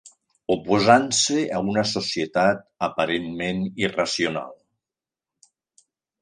Oposant-se a una societat aparentment irracional.